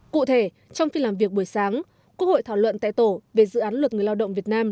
cụ thể trong phiên làm việc buổi sáng quốc hội thảo luận tại tổ về dự án luật người lao động việt nam